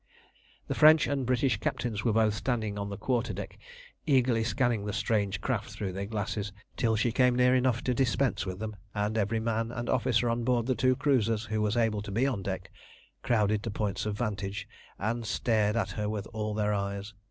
The French and British captains were both standing on the quarter deck eagerly scanning the strange craft through their glasses till she came near enough to dispense with them, and every man and officer on board the two cruisers who was able to be on deck, crowded to points of 'vantage, and stared at her with all their eyes.